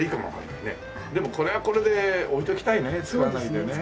でもこれはこれで置いときたいね使わないでね。